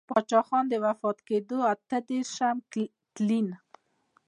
پــاچــاخــان د وفــات کـېـدو اته درېرشم تـلـيـن.